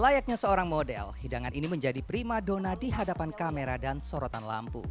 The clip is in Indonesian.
layaknya seorang model hidangan ini menjadi prima dona di hadapan kamera dan sorotan lampu